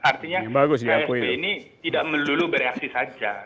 artinya ksp ini tidak melulu bereaksi saja